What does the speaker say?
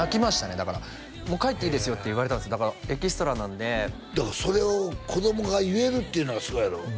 だから「もう帰っていいですよ」って言われたんですだからエキストラなんでだからそれを子供が言えるっていうのがすごいやろ？